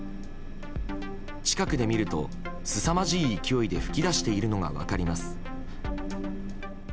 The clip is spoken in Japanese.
近くで見ると、すさまじい勢いで噴き出しているのが分かります。